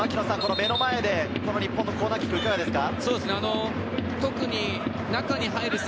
目の前で日本のコーナーキックいかがですか？